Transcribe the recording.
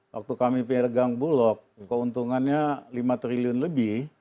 waktu kami piringan bulog keuntungannya lima triliun lebih